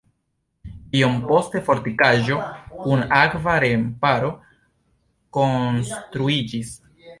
Iom poste fortikaĵo kun akva remparo konstruiĝis.